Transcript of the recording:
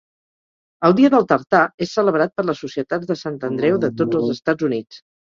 El Dia del Tartà és celebrat per les societats de Sant Andreu de tots els Estats Units.